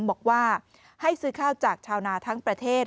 บอกว่าให้ซื้อข้าวจากชาวนาทั้งประเทศ